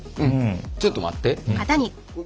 ちょっと待って。